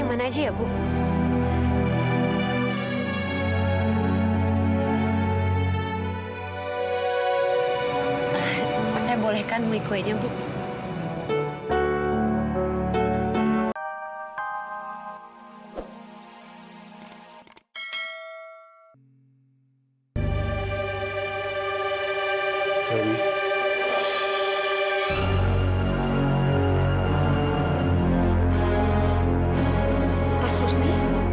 mas mas ngapain kesini